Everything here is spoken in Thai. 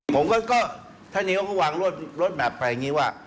ผมก็วางรถแบบไปอย่างนี้ว่า